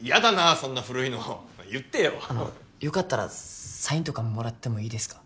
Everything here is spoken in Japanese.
そんな古いの言ってよよかったらサインとかもらってもいいですか？